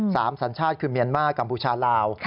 สัญชาติคือเมียนมากกัมพูชาลาว